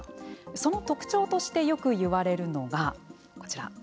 その特徴としてよくいわれるのが、こちら。